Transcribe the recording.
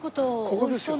ここですよ。